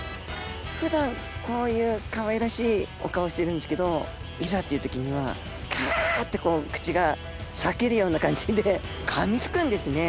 ふだんこういうかわいらしいお顔をしてるんですけどいざっていうときにはカッ！ってこう口が裂けるような感じでかみつくんですね。